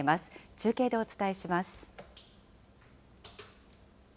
中継でお伝えします。